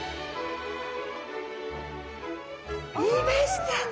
いましたね！